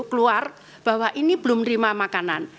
keluar bahwa ini belum terima makanan